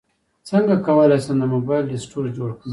څنګه کولی شم د موبایل رسټور جوړ کړم